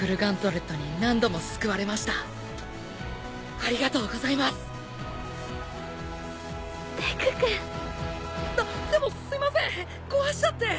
あっでもすいません壊しちゃって。